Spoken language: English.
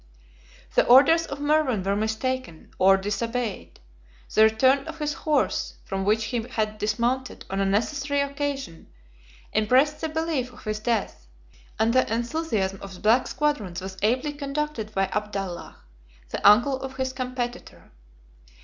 The orders of Mervan were mistaken, or disobeyed: the return of his horse, from which he had dismounted on a necessary occasion, impressed the belief of his death; and the enthusiasm of the black squadrons was ably conducted by Abdallah, the uncle of his competitor.